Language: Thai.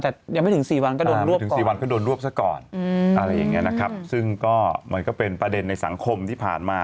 แต่ยังไม่ถึง๔วันก็โดนรวบก่อนอะไรอย่างนี้นะครับซึ่งก็มันก็เป็นประเด็นในสังคมที่ผ่านมา